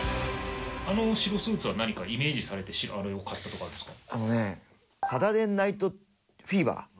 あの白スーツは何かイメージされてあれを買ったとかですか？